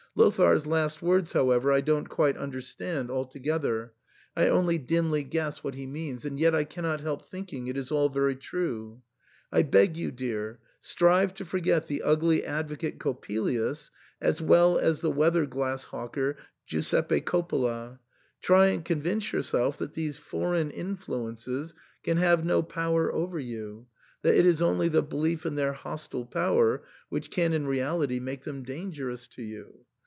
Lothair's last words, however, I don't quite understand altogether; I only dimly guess what he means ; and yet I cannot help thinking it is all very true. I beg you, dear, strive to forget the ugly advo cate Coppelius as well as the weather glass hawker Giuseppe Coppola. Try and convince yourself that these foreign influences can have no power over you, that it is only the belief in their hostile power which can in reality make them dangerous to you.